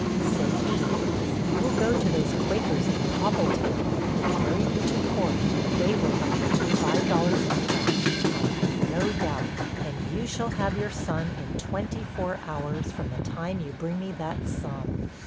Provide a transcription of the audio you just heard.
Said he, 'If you will go to those Quakers in Poppletown, who carried you to court, they will help you to five dollars in cash, I have no doubt; and you shall have your son in twenty four hours, from the time you bring me that sum.'